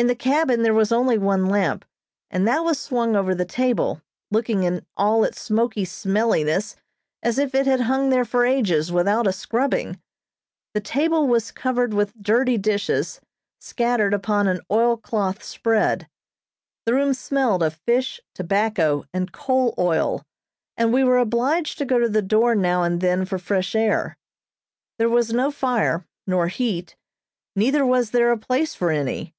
In the cabin there was only one lamp, and that was swung over the table, looking in all its smoky smelliness as if it had hung there for ages without a scrubbing. The table was covered with dirty dishes scattered upon an oilcloth spread. The room smelled of fish, tobacco, and coal oil, and we were obliged to go to the door now and then for fresh air. There was no fire, nor heat, neither was there a place for any.